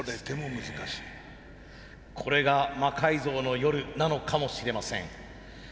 これが「魔改造の夜」なのかもしれません。